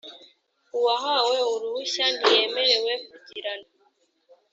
uwahawe uruhushya ntiyemerewe kugirana